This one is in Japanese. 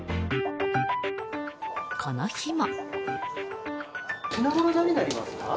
この日も。